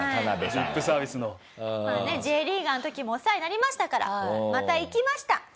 まあねＪリーガーの時もお世話になりましたからまた行きました。